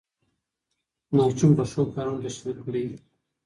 ماشوم په ښو کارونو تشویق کړئ.